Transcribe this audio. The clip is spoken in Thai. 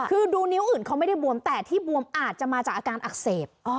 คือดูนิ้วอื่นเขาไม่ได้บวมแต่ที่บวมอาจจะมาจากอาการอักเสบ